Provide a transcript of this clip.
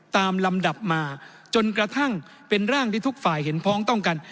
ลำดับมาจนกระทั่งเป็นร่างที่ทุกฝ่ายเห็นพ้องต้องกัน